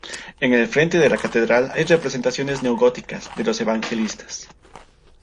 En el frente de la catedral hay representaciones neo-góticas de los evangelistas.